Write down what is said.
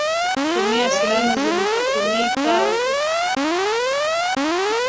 Kutumia sindano zilizotumika